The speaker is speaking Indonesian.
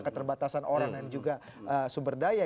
keterbatasan orang dan juga sumber daya